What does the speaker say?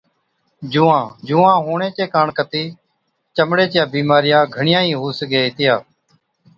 جُوئان Lice، جُوئان هُوَڻي چي ڪاڻ ڪتِي چمڙي چِيا بِيمارِيا گھڻِيا ئِي هُو سِگھي هِتِيا۔